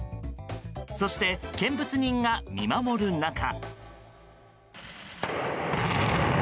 そして、見物人が見守る中。